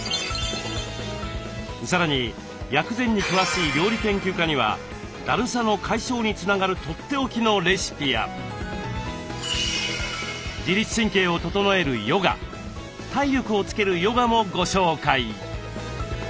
さらに薬膳に詳しい料理研究家にはだるさの解消につながるとっておきのレシピや自律神経を整えるヨガ体力をつけるヨガもご紹介。